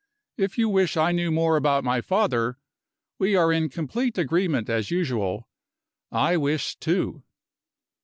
If you wish I knew more about my father, we are in complete agreement as usual I wish, too.